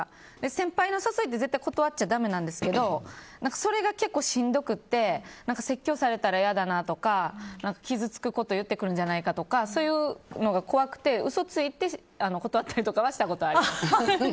先輩からの誘いって絶対断っちゃだめなんですけどそれが結構しんどくて説教されたら嫌だなとか傷つくこと言ってくるんじゃないかとかが怖くて嘘ついて断ったりとかはしたことあります。